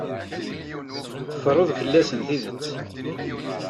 Teffreḍ fell-asen tidet.